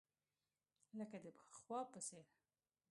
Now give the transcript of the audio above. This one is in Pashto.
لکه د پخوا په څېر.